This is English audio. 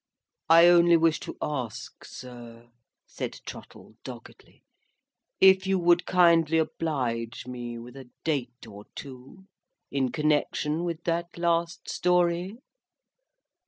— "I only wished to ask, sir," said Trottle doggedly, "if you could kindly oblige me with a date or two in connection with that last story?"